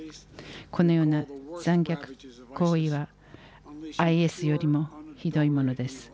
このような残虐行為はＩＳよりもひどいものです。